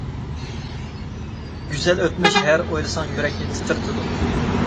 گۈزەل ئۆتمۈش ھەر ئويلىساڭ يۈرەكنى تىترىتىدۇ.